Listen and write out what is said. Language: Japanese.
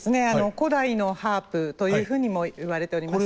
古代のハープというふうにもいわれております。